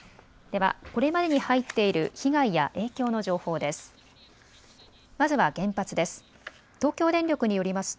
ではこれまでに入っている被害や影響の情報です。